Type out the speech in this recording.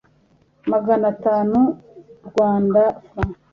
magana atanu rwandan francs